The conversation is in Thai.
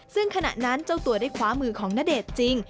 ซึ่งขณะนั้นเจ้าตัวได้คว้ามือของณเดชน์จริง